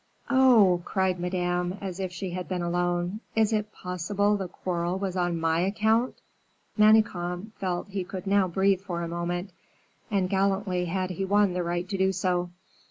"Oh!" cried Madame, as if she had been alone, "is it possible the quarrel was on my account!" Manicamp felt he could now breathe for a moment and gallantly had he won the right to do so.